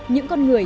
những con người